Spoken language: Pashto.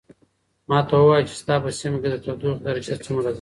ماته ووایه چې ستا په سیمه کې د تودوخې درجه څومره ده.